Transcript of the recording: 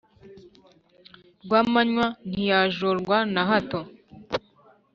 rwamanywa ntiyajorwa na hato